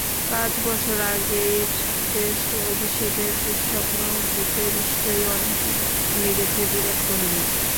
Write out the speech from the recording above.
পাঁচ বছর আগের টেস্ট অভিষেকের দুঃস্বপ্ন ভুলতে নিশ্চয়ই অনেক দিন লেগেছে বিরাট কোহলির।